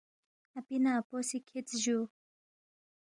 “ اپی نہ اپو سہ کِھدس جُو